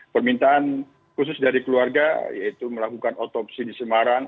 permintaan khusus dari keluarga yaitu melakukan otopsi di semarang